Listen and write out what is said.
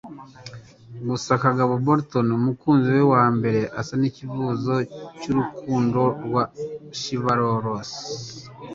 Gusa Kagabo Burton, umukunzi we wambere, asa nkicyifuzo cyurukundo rwa chivalrous